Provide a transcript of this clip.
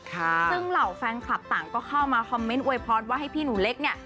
ซึ่งเหล่าแฟนคลับต่างก็เข้ามาคอมเมนต์อวยพรว่าให้พี่หนูเล็กเนี่ย